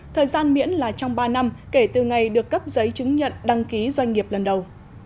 thời gian miễn là trong ba năm kể từ ngày được cấp giấy chứng nhận đăng ký doanh nghiệp lần đầu